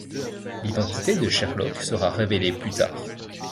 L'identité de Sherlock sera révélée plus tard.